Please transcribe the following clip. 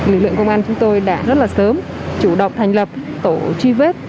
lực lượng công an chúng tôi đã rất là sớm chủ động thành lập tổ truy vết